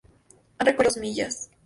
Han recorrido dos millas.